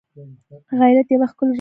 غیرت یوه ښکلی رڼا ده